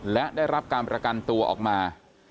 และได้รับการประกันตัวออกมา